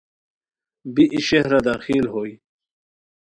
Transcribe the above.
بی ای شہرا داخل ہوئے